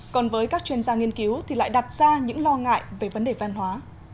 còn với các chuyên gia nghiên cứu thì lại đặt ra những lo ngại về vấn đề văn hóa